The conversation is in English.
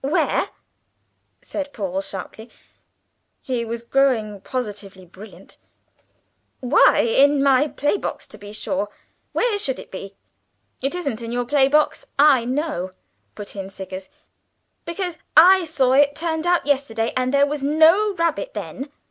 "Where?" said Paul sharply (he was growing positively brilliant). "Why, in my playbox to be sure; where should it be?" "It isn't in your playbox, I know," put in Siggers: "because I saw it turned out yesterday and there was no rabbit then.